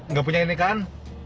nggak punya ini kan